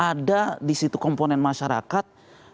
ada di situ komponen masyarakat